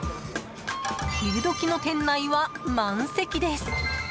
昼時の店内は満席です。